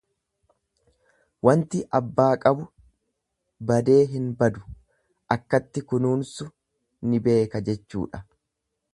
Wanti abbaa qabu badee hin badu akkatti kunuunsu ni beeka jechuudha.